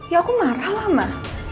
ya aku marah lama